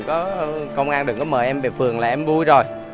có công an đừng có mời em về phường là em vui rồi